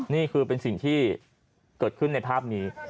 นี่คือเป็นสิ่งที่เกิดขึ้นในภาพนี้